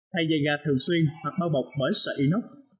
thay dây gà thường xuyên hoặc bao bọc bởi sợi inox